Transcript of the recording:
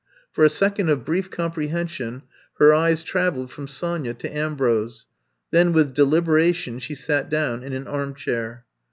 For a second of brief comprehension he^ eyes traveled from Sonya to Ambrose, Then with deliberation she sat down in an armchair.